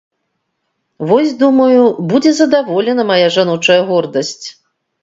Вось, думаю, будзе задаволена мая жаночая гордасць.